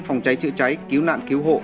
phòng cháy chữa cháy cứu nạn cứu hộ